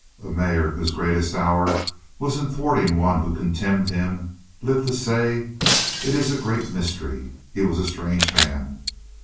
A mayor whose greatest hour was in thwarting one who contemned him, lived to say: "It is a great mystery. He was a strange man."